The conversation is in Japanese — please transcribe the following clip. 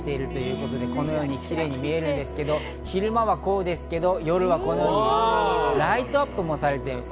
それでこのようにキレイに見えるんですけど昼間はこうですけど、夜はライトアップもされています。